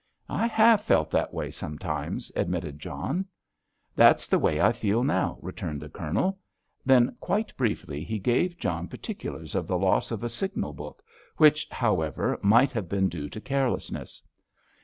"I have felt that way sometimes," admitted John. "That's the way I feel now," returned the Colonel. Then, quite briefly, he gave John particulars of the loss of a signal book, which, however, might have been due to carelessness.